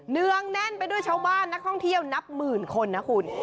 เนื่องแน่นไปด้วยชาวบ้านนักท่องเที่ยวนับหมื่นคนนะคุณ